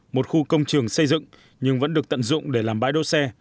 một khu công trường xây dựng nhưng vẫn được tận dụng để làm bãi đỗ xe